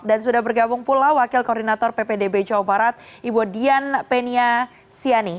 dan sudah bergabung pula wakil koordinator ppdb jawa barat ibu dian penia siani